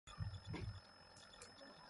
آ څِیزز تُوْڑ پیرزَو گیْ دیمَس اکوڑ ہر۔